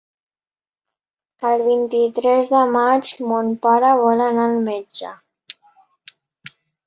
El vint-i-tres de maig mon pare vol anar al metge.